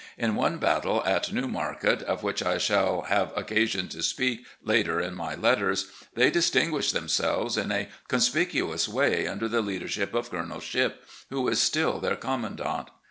In one battle at Newmarket, of which I shall have occasion to speak later in my letters, they distinguished themselves in a conspicuous way under the leadership of Colonel Shipp, who is still their commandant.